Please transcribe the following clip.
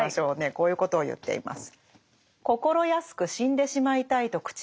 こういうことを言っています。